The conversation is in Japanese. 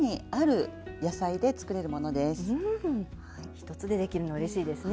１つでできるのうれしいですね。